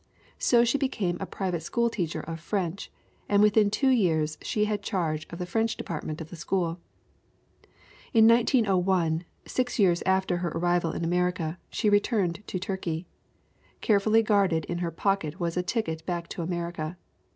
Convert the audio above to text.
So she became a private school teacher of French, and within two years she had charge of the French department of the school. In 1901, six years after her arrival in America, she returned to Turkey. Carefully guarded in her pocket was a ticket back to America.